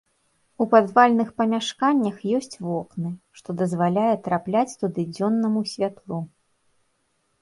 У падвальных памяшканнях ёсць вокны, што дазваляе трапляць туды дзённаму святлу.